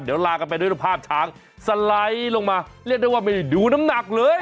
เดี๋ยวลากันไปด้วยภาพช้างสไลด์ลงมาเรียกได้ว่าไม่ได้ดูน้ำหนักเลย